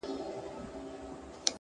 هیله د زړونو انرژي ده.!